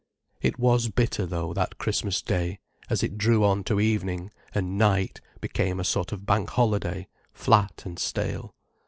It was bitter, though, that Christmas Day, as it drew on to evening, and night, became a sort of bank holiday, flat and stale.